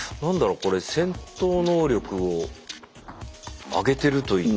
これ戦闘能力を上げてるといったら。